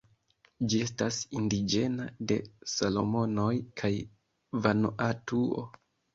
Ĝi estas indiĝena de Salomonoj kaj Vanuatuo.